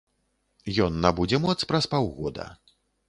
Ён набудзе моц праз паўгода.